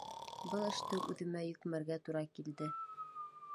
Был эште үҙемә йөкмәргә тура килде.